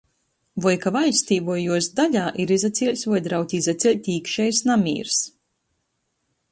Voi ka vaļstī voi juos daļā ir izacieļs voi draud izaceļt īkšejs namīrs,